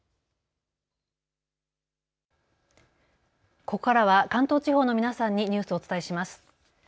ここからは関東地方の皆さんにニュースをお伝えします。